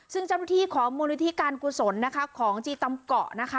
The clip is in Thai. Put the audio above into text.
ซึ่งเจ้าหน้าที่ของมูลนิธิการกุศลนะคะของจีตำเกาะนะคะ